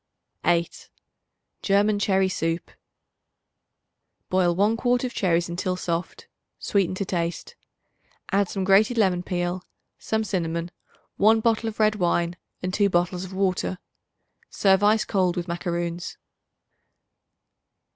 8. German Cherry Soup. Boil 1 quart of cherries until soft; sweeten to taste. Add some grated lemon peel, some cinnamon, 1 bottle of red wine and 2 bottles of water. Serve ice cold with macaroons.